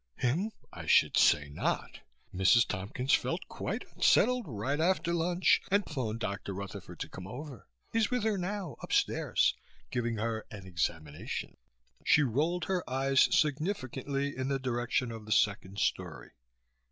"Him? I should say not! Mrs. Tompkins felt quite unsettled right after lunch and phoned Dr. Rutherford to come over. He's with her now, upstairs, giving her an examination." She rolled her eyes significantly in the direction of the second story.